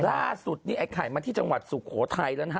ล่าสุดนี่ไอ้ไข่มาที่จังหวัดสุโขทัยแล้วนะฮะ